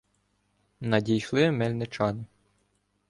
Надійшли мельни- чани.